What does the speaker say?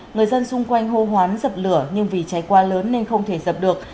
người dân xung quanh hô hoán dập lửa nhưng vì cháy qua lớn nên không thể dập được